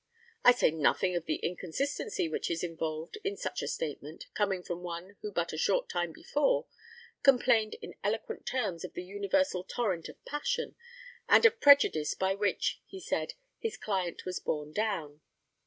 I say nothing of the inconsistency which is involved in such a statement, coming from one who but a short time before complained in eloquent terms of the universal torrent of passion, and of prejudice by which, he said, his client was borne down.